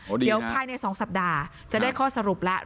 โอ้ดีนะในสองสัปดาห์จะได้ข้อสรุปแล้ว